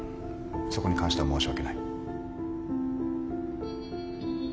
そこに関しては申し訳ない。